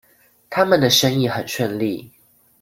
他們的生意很順利